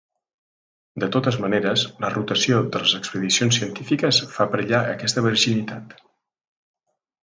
De totes maneres, la rotació de les expedicions científiques fa perillar aquesta virginitat.